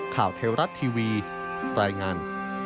ข่าวเทวรัฐทีวีแปรงาน